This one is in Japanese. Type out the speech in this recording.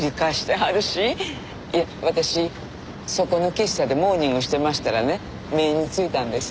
いえ私そこの喫茶でモーニングしてましたらね目についたんです。